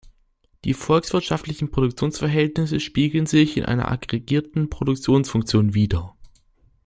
Die volkswirtschaftlichen Produktionsverhältnisse spiegeln sich in einer aggregierten Produktionsfunktion wider.